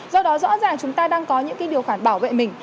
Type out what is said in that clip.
do đó rõ ràng chúng ta đang có những điều khoản bảo vệ mình